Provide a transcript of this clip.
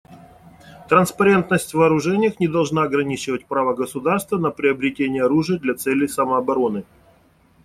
Транспарентность в вооружениях не должна ограничивать право государства на приобретение оружия для целей самообороны.